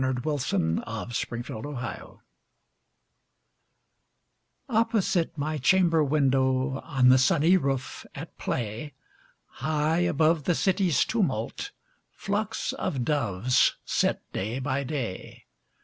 Louisa May Alcott My Doves OPPOSITE my chamber window, On the sunny roof, at play, High above the city's tumult, Flocks of doves sit day by day.